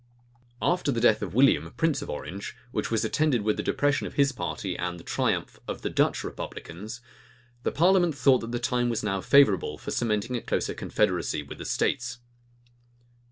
After the death of William, prince of Orange,[] which was attended with the depression of his party and the triumph of the Dutch republicans, the parliament thought that the time was now favorable for cementing a closer confederacy with the states.